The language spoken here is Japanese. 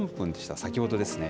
先ほどですね。